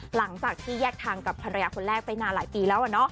หลังจากที่แยกทางกับภรรยาคนแรกไปนานหลายปีแล้ว